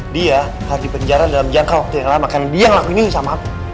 dia harus dipenjara dalam jangka waktu yang lama karena dia yang lakuin ini sama aku